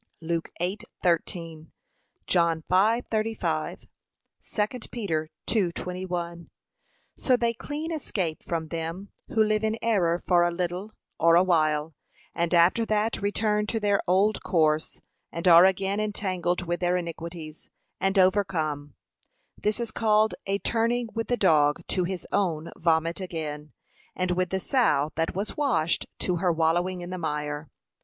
(Luke 8:13, John 5:35, 2 Peter 2:21) So they clean escape from them, who live in error for a little, or awhile; and after that return to their old course, and are again entangled with their iniquities and overcome. This is called, 'A turning with the dog to his own vomit again, and with the sow that was washed, to her wallowing in the mire.'